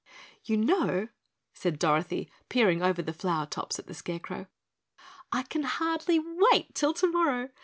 "You know," said Dorothy, peering over the flower tops at the Scarecrow, "I can hardly wait till tomorrow.